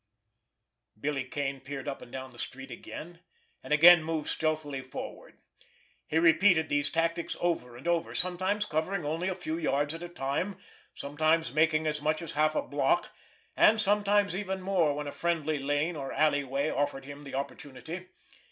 Billy Kane peered up and down the street again, and again moved stealthily forward. He repeated these tactics over and over, sometimes covering only a few yards at a time, sometimes making as much as half a block, and sometimes even more when a friendly lane or alleyway offered him the opportunity.